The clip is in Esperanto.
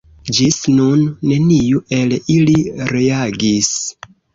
Ĝis nun neniu el ili reagis.